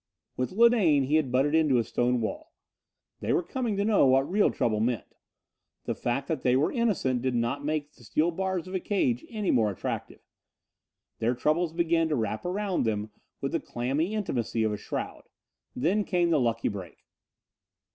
With Linane he had butted into a stone wall. They were coming to know what real trouble meant. The fact that they were innocent did not make the steel bars of a cage any more attractive. Their troubles began to wrap about them with the clammy intimacy of a shroud. Then came the lucky break.